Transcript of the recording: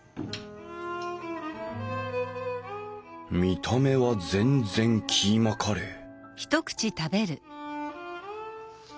見た目は全然キーマカレー